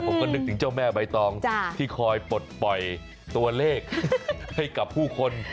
ผมก็นึกถึงเจ้าแม่ใบตองที่คอยปลดปล่อยตัวเลขให้กับผู้คน